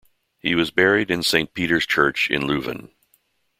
He was buried in Saint Peter's Church in Leuven.